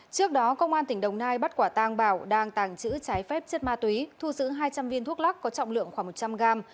trước đó công an tỉnh đồng nai bắt quả tang bảo đang tàng trữ trái phép chất ma túy thu giữ hai trăm linh viên thuốc lắc có trọng lượng khoảng một trăm linh gram